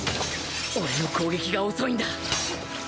俺の攻撃が遅いんだ